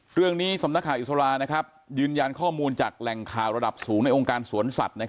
สำนักข่าวอิสรายืนยันข้อมูลจากแหล่งข่าวระดับสูงในองค์การสวนสัตว์